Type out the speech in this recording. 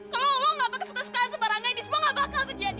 kalau lo gak pakai kesukaan sebarangnya ini semua gak bakal berjadi